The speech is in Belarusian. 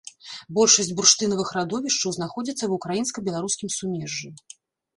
Большасць бурштынавых радовішчаў знаходзіцца ва ўкраінска-беларускім сумежжы.